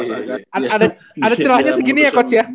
ada celahnya segini ya coach ya